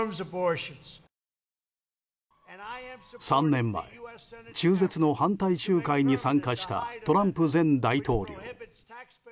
３年前、中絶の反対集会に参加したトランプ前大統領。